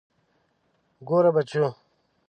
ګوره بچو.